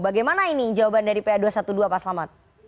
bagaimana ini jawaban dari pa dua ratus dua belas pak selamat